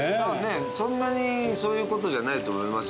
そんなにそういうことじゃないと思いますよ。